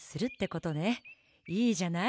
いいじゃない。